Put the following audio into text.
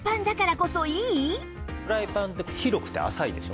フライパンって広くて浅いでしょ？